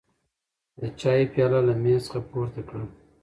د چای پیاله له مېز څخه پورته کړه.